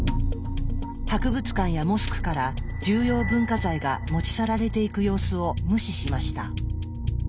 博物館やモスクから重要文化財が持ち去られていく様子を無視しました。